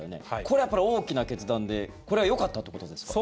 これはやっぱり大きな決断でこれはよかったってことですか。